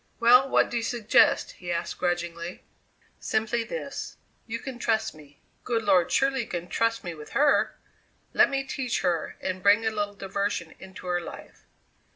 "Well, what do you suggest?" he asked grudgingly. "Simply this: You can trust me. Good Lord you surely can trust me with her! Let me teach her and bring a little diversion into her life.